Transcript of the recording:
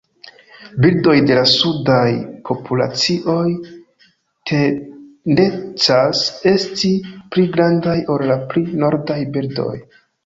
Birdoj de la sudaj populacioj tendencas esti pli grandaj ol la pli nordaj birdoj.